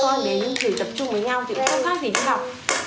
nếu mà mình lại mang các con đến để tập trung với nhau thì cũng không khác gì cho học